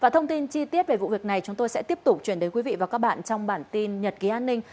thông tin chi tiết về vụ việc này chúng tôi sẽ tiếp tục chuyển đến quý vị và các bạn trong bản tin nhật ký an ninh